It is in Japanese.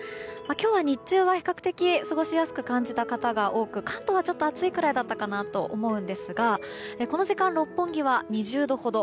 今日は日中は比較的過ごしやすく感じた方が多く関東はちょっと暑いくらいだったかなと思うんですがこの時間、六本木は２０度ほど。